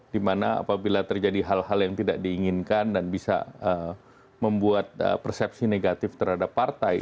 dimana apabila terjadi hal hal yang tidak diinginkan dan bisa membuat persepsi negatif terhadap partai